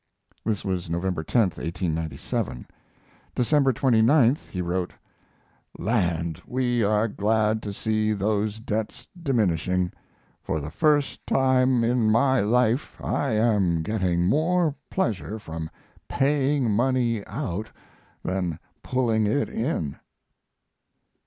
This was November 10, 1897. December 29th he wrote: Land, we are glad to see those debts diminishing. For the first time in my life I am getting more pleasure from paying money out than pulling it in.